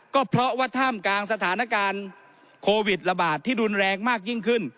ก็เพราะว่าท่ามกลางสถานการณ์โควิดระบาดที่รุนแรงมากยิ่งขึ้น